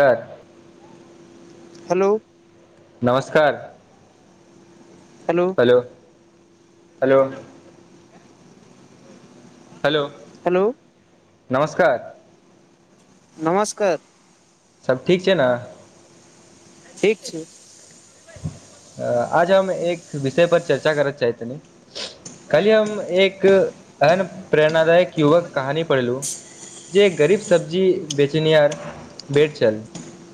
कर हेलौ नमस्कार hello hello hello hello hello नमस्कार नमस्कार सभ ठीक छै न ठीक छै आज हम एक विषय पर चर्चा करत चाहैत छलौ कल्हि हम एक एहन प्रेरणादायक युगक कहानी पढ़लू जे गरीब सब्जी बेचनिहार मेड छल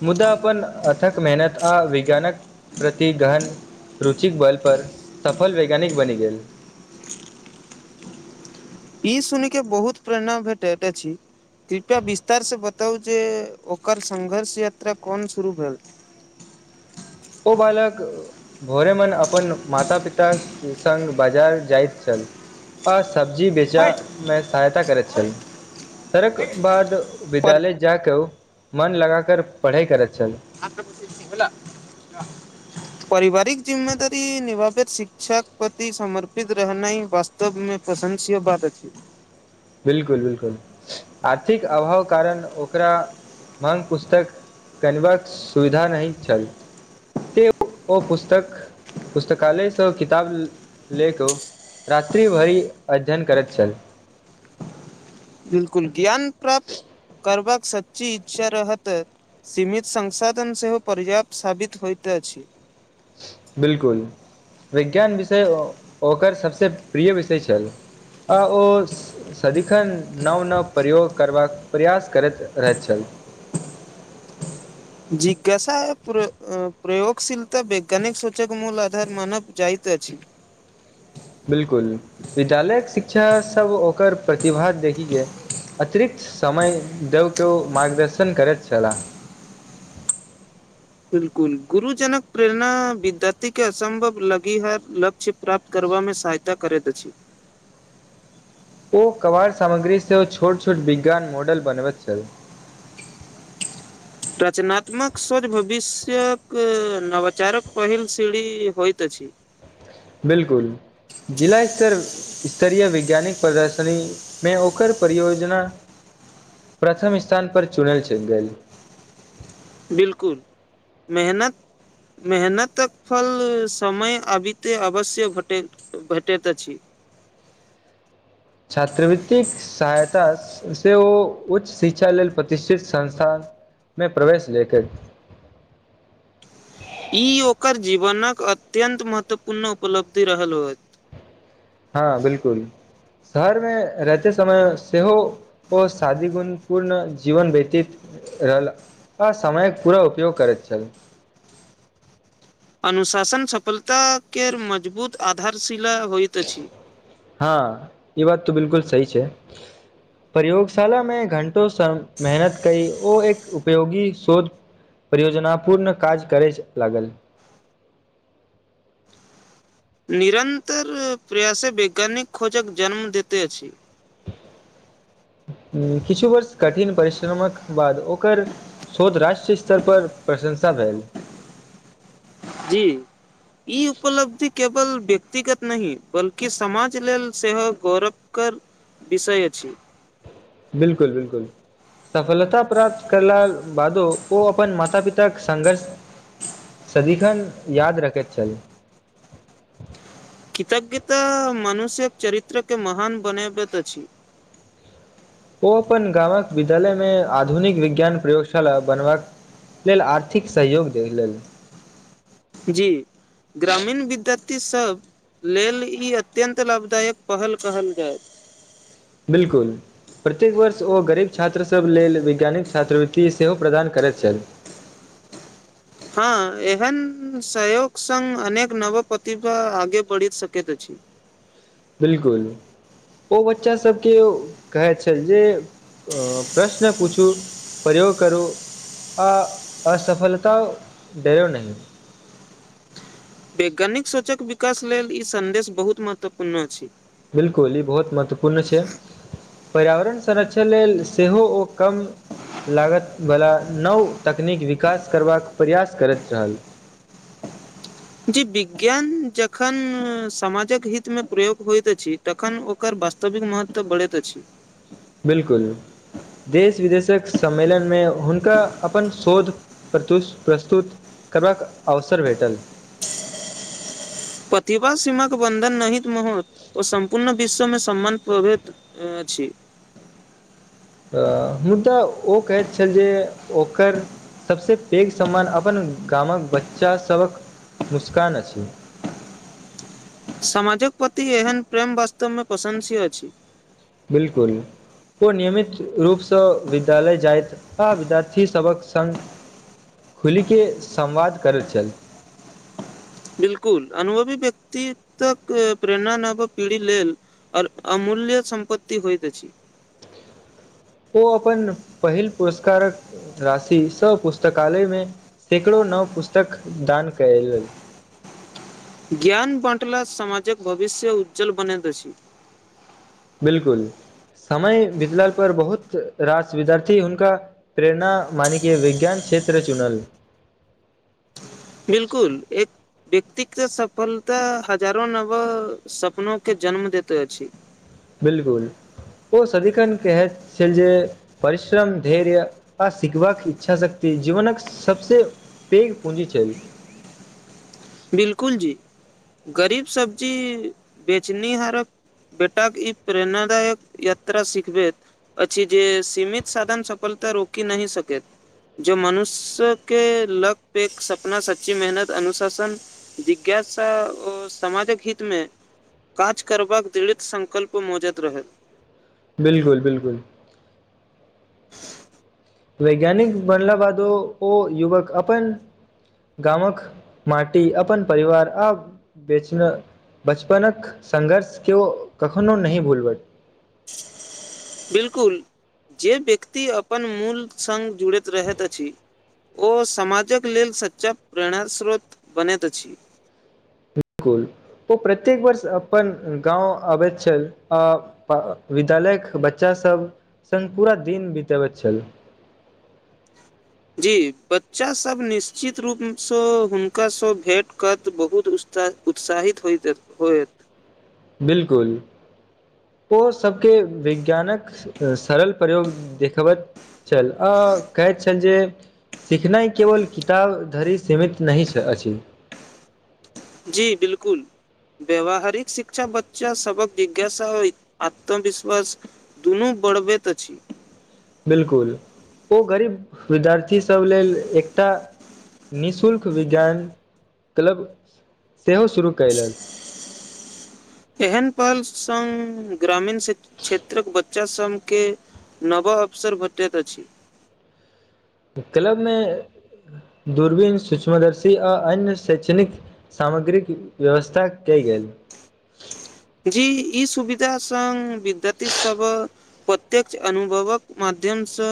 मुदा अपन अथक मेहनत आ विज्ञानक प्र ति गहन रुचिक बल पर सफल वैज्ञानिक बनि गेल ई सुनि के बहुत प्रेरणा भेटैत अछि कृपया विस्तारसँ बताउ जे ओकर संघर्ष यात्रा कोन शुरू भेल [inaudible] ओ बालक भोरे भन अपन माता पिता संग बाजार जाइत छल आ सब्जी बेचामे सहायता करैत छल तरक बाद पर बिदालय जा क उ मन लगा कर पढ़ाइ करैत छल ल परिवारिक जिम्मेदारी निभावैत शिक्षाक प्रति समर्पित रहनाइ वास्तवमे पसन्द छिय बात अथी बिलकुल बिलकुल आर्थिक अभाव कारण ओकरा माँग पुस्तक केनबाक सुविधा नहि छल ते ओ पुस्तक पुस्तकालय सँ किताब ले कऽ उ रात्रि भरि अध्ययन करत छल बिलकुल ज्ञान प्राप्त करबाक सच्ची इच्छा रहत सीमित संसाधन सेहो पर्याप्त साबित होइत अछि बिलकुल विज्ञान विषय ओकर सभसँ प्रिय विषय छल आ ओ सदिखन नव नव प्रयोग करबाक प्रयास करैत रहैत छल [unintelligible] जिज्ञासा प्र प्रयोगशीलता वैज्ञानिक सूचक मूल आधार मानव जाइत अछि बिलकुल विद्यालयक शिक्षासभ ओकर प्रतिभा देखि के अतिरिक्त समय देव के मार्गदर्शन करैत छलाह [inaudible] बिलकुल गुरुजनक प्रेरणा विद्यारथी के असम्भव लगी है लक्ष्य प्राप्त करबामे सहायता करैत अछि ओ कवाड़ सामग्री सेहो छोट छोट विज्ञान मॉडल बनबैत छल [unintelligible] रचनात्मक सोच भविष्यक नवचारक पहिल सीढ़ी होयइत अछि छी बिलकुल जिला स्तर स्तरीय वैज्ञानिक प्रदर्शनी मे ओकर परियोजना प्रथम स्थान पर चुनल चल गेल बिलकुल मेहनत मेहनतक फल समय अबिते अवश्य भेट भेटैत अछि [inaudible] छात्रवृतिक सहायता से ओ उच्च शिक्षा लेल प्रतिष्ठित संस्थान मे प्रवेश ले के [inaudible] ई ओकर जीवनक अत्यन्त महत्वपूर्ण उपलब्धि रहल होयत हँ बिलकुल शहरम मे रहते समय सेहो ओ शादी गुण पूर्ण जीवन व्यतीत रहल आ समयक पूरा उपयोग करैत छल अनुशासन सफलता केर मजबूत आधारशिला होइत अछि हँ ई बात तऽ बिलकुल सही छै प्रयोगशालामे घंटो सम मेहनत की ओ एक उपयोगी शोध परियोजनापूर्ण काज करय लागल [inaudible] निरन्तर प्रयासे वैज्ञानिक खोजक जन्म दैत अछि [inaudible] किछु वर्ष कठिन परिश्रमक बाद ओकर शोध राष्ट्रीय स्तर पर प्रशंसा भेल जी ई उपलब्धि केवल व्यक्तिगत नहि बल्कि समाज लेल सेहो गौरव कर विषय अछि बिलकुल बिलकुल सफलता प्राप्त करला बादो ओ अपन माता पिताके संघर्ष सदिखन याद रखैत छल [inaudible] कृतज्ञता मनुष्य्यक चरित्रके महान बनाबैत अछि ओ अपन गामक विद्यालय मे आधुनिक विज्ञान प्रयोगशाला बनबाक लेल आर्थिक सहयोग जे लेल जी ग्रामीण विद्य सभ लेल ई अत्यन्त लाभदायक पहल कहल जाय बिलकुल प्रत्येक वर्ष ओ गरीब छात्रसभ लेल वैज्ञानिक छात्रवृति सेहो प्रदान करैत छल [inaudible] हँ एहन सहयोग संग अनेक नव प्रतिभा आगे बढ़ि सकैत अछि [inaudible] बिलकुल ओ बच्चाभके कहैत छल जे अ प्रश्न पूछू प्रयोग करू आ असफलता डेरउ नही वैज्ञानिक सोचक विकास लेल ई सन्देश बहुत महत्वपूर्ण अछि बिलकुल ई बहुत महत्वपूर्ण छै पर्यावरण संरक्षण लेल सेहो ओ कम लागत वाला नव तकनीक विकास करबाक प्रयास करैत रहल जी विज्ञान जखन समाजक हितमे प्रयोग होइत अछि तखन ओकर वास्तविक महत्त्व बढ़ैत अछि। [inaudible] बिलकुल देश विदेशक सम्मेलनमे हुनका अपन शोध प्रस्तुत करबाक अवसर भेटल। प्रतिभा सीमाक बन्धन नहित महत ओ सम्पूर्ण विश्व सम्मान प्रभित अछि। मुदा ओ कहैत छल जे ओकर सबस पैघ सम्मान अपन गामक बच्चासभक मुस्कान अछि। समाजक प्रति एहन प्रेम वास्तवमे प्रशंसीय अछि। बिलकुल ओ नियमित रूपसँ विद्यालय जाइत आ विद्यार्थीसभक सङ्ग खुलीके संवाद करैत छल। बिलकुल अनुभवी व्यक्त तक प्रेरणा नभ पीढ़ी लेल अमूल्य मल्य सम्पत्ति होइत अछि। ओ अपन पहिल पुरस्कारक राशि स पुस्तकालयमे सैकड़ो नओ पुस्तक दान कयल। ज्ञान बटला समामाजक भविष्य उज्ज्वल बनैत अछि। बिलकुल समय बितलााल पर बहुत रास विद्यार्थी हुनका प्रेरणा मानिक विज्ञान क्षेत्र चुनल [inaudible] बिलकुल एक व्यक्तिग सफलता हजारो नव सपनो के जन्म दैत अछि। बिलकुल ओ सदिखन कहैत छल जे परिश्रम धैर्य आ सिखबाक इच्छा शक्ति जीवनक सबसे पैघ पूंजी छेल। बिलकुल जी गरीब सब्जी बेचनीहारक बेटाक ई प्रेराादायक यात्रा सिखबयत अछि जे सीमित साधन सफल तऽ रोकी नहि सकेत। जो मनुष्यके लक प एक सपना सच्ची मेहनत अनुशासन जिज्ञासा ओ समामाजक हितमे काज करबाक दृढ़ित संङ्कल्प मौजैत रह बिलकुल बिलकुल वैज्ञानिक बनला बादो ओ युवक अपन गामक माटी अपन परिवार आ बेचना बचपनक संघर्ष केओ कखनो नहि भूलबट [inaudible] बिल्कुल जे व्यक्ति अपन मूल सङ्ग जुड़ैत रहैत अछि ओ समाजक लेल सच्चा प्रेरणास्रोत बनैत अछि। बिलकुल ओ प्रत्येक वर्ष अपन गाँव अबैत छल आ विद्यालयक बच्चासभ सङ्ग पूरा दिन बितबैत छल। [inaudible] जी बच्चासभ निश्चित रूपसँ हुनकासँ भेँट करत बहुत उतसाहित हो होएत। बिलकुल ओ सबके विज्ञानक सरल प्रयोग देखबैत चल आ कहैत छल जे सिखनाइ केवल किताब धरि सीमित नहि अछि। जी बिलकुल व्यावहारिक शिक्षा बच्चा सबक जिज्ञासा आ आत्मविश्वास दुनू बढ़बैत छी बिलकुल ओ गरीब विद्यार्थीसभ लेल एकटा निःशुल्क विज्ञान क्लब सेहो शुरू कयलक [inaudible] एहन पल स ग्रामीण क्षेत्रक बच्चा सभके नव अवसर बढ़त अछि क्लबमे दूरबीन सूक्ष्मदर्शी आ अन्य शैक्षणिक सामग्रीक व्यवस्था के गेल जी ई सुविधा सङ्ग विद्यार्थीसभ प्रत्यक्ष अनुभवक माध्यमसँ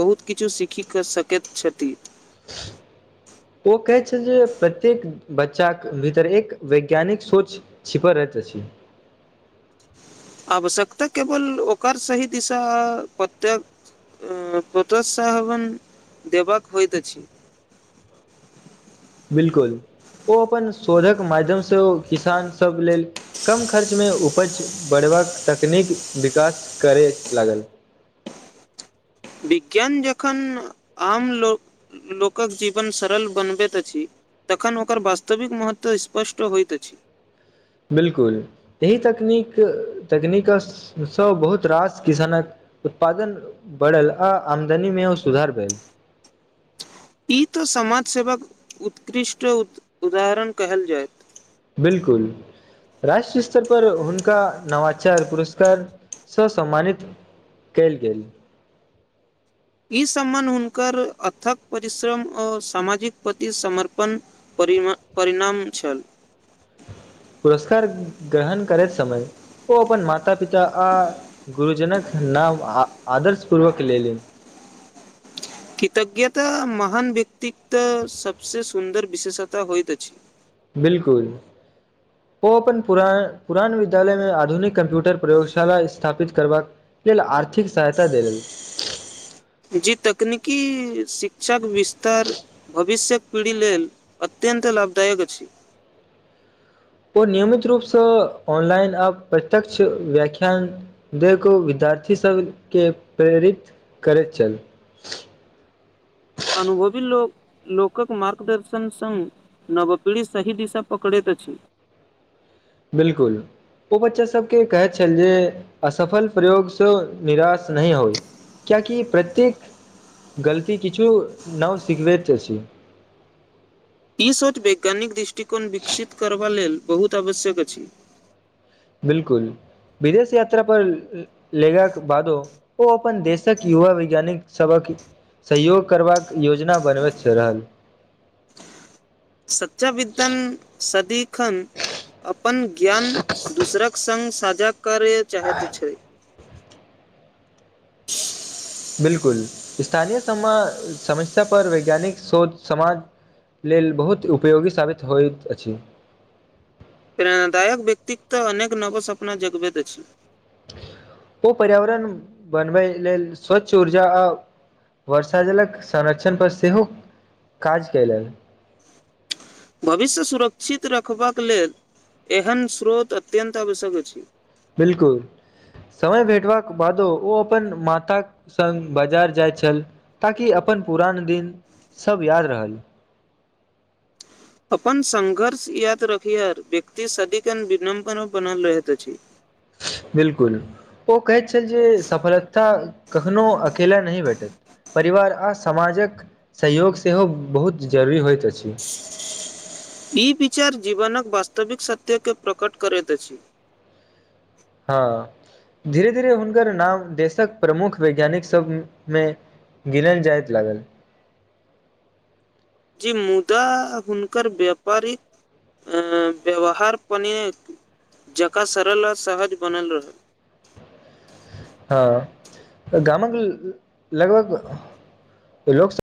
बहुत किछु सीखि सकैत छथि [inaudible] ओ कहै छै जे प्रत्येक बच्चाक भीतर एक वैज्ञानिक सोच छिपल रहत द छी आवश्यकता केवल ओकर सही दिशा पत्य प्रोत्साहान देबाक होत छै बिलकुल ओ अपन शोधक माध्यम से ओ किसान सब लेल कम खर्च मे उपैज बढ़ै तकनीक विकास करय लागल [inaudible] विज्ञान जखन आम लोकक जीवन सरल बनबैत अछि तखन ओकर वास्तविक महत्व स्पष्ट होइत अछि बिल्कुल एहि तकनीक तकनीकसँ बहुत रास किसानक उत्पादन बढ़ल आ आमदनी मे ओ सुधार भेल [inaudible] ई तऽ समाज सेेवक उत्कृष्ट उदाहरण कहेल जाय बिल्कुल राष्ट्र स्तर पर हुनका नवाचार पुरस्कार स सम्मानित कैल गेल [inaudible] ई सम्मान हुनकर अथक परिश्रम अ सामाजिक पति समर्पण प परिणाम छएल पुरुस्कार ग्रहण करैत समय ओ अपन माता पिता आ गुरुजनक नाम आदर्श पूर्वक लेले [inaudible] कृतज्ञता महान व्यक्त त सबसे सुन्दर विशेषता होइत अछि बिलकुल ओ अपन पुर पुरान विद्यालयमे आधुनिक कम्प्यूटर प्रयोगशाला स्थापित करबाक अपने लेल आर्थिक सहायता दे लेल जी तकनीकी शिक्षक विस्तार भविष्यक पीढ़ी लेल अत्यंत अत्यंत लाभदायक छैय नियमित रूपसँ ऑनलाइन आब प्रत्यक्ष व्याख्यान देखू विद्यार्थी सब के प्रेरित करैत चल अनुभवी लोक लोकक मार्गदर्शन संघ नव पीढ़ी सही दिशा पकड़ैत अछि बिल्कुल ओ बच्चा सभके कहैत छल जे असफल प्रयोगसँ निराश नहि होइ कियाकि प्रत्येक गलती किछु नव सिखबैत अछि ई शोच वैज्ञानिक दृष्टिकोण विकसित करबाऽ लेल बहुत आवश्यक अछि बिल्कुल विदेश यात्रा पर लेगा के बादो ओ अपन देशक युवा वैज्ञानिक सबक सहयोग करबाक योजना बनबैत छ रहल सच्चाविद्यन सदीक तखन अपन ज्ञान दोसरक सङ्ग साझा करए चाहेैत छै बिल्कुल स्थानीय सम समस्या पर वैज्ञानिक सोच समाज लेल बहुत उपयोगी साबित होइत अछि प्रेरणादायक व्यक्तित्व अनेक नवो सपना जगबैत अछि ओ पर्यावरण बनबैय लेल स्वच्छ ऊर्जा आ वर्षा जलक संरक्षण पर सेहो काज कयलनि [inaudible] भविष्य सुरक्षित रखबाक लेल एहन स्रोत अत्यन्त आवश्यक अछि बिलकुल समय भेटवा बादो ओ अपन माता संग बाजार जाय छल ताकि अपन पुरान दिन सब याद रहल अपन संघर्ष याद रखियार व्यक्ति सदिखन विनम्र बनल रहैत अछि बिल्कुल ओ कहैत छैय जे सफलता कखनो अकेला नहि भेटत परिवार आ समाजक सहयोग सेहो बहुत जरूरी होइत अछि ई विचार जीवनक वास्तविक सत्य के प्रकट करैत अछि हँ धीरे धीरे हुनकर नाम देशक प्रमुख वैज्ञानिक सभमे गिनल जाइत लागल जी मुदा हुनकर व्यापारिक अ व्यवहार पने जकाँ सरल आ सहज बनल रह हँ गामक लगभग लोकस